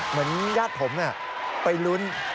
เหมือนญาติผมไปลุ้น